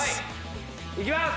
いきます！